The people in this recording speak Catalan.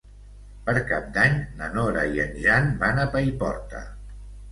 Per Cap d'Any na Nora i en Jan van a Paiporta.